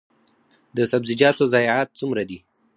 د سبزیجاتو ضایعات څومره دي؟